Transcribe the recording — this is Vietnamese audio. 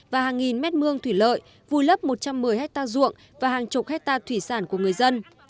và hàng nghìn mét mương thủy lợi vùi lấp một trăm một mươi hectare ruộng và hàng chục hectare thủy sản của người dân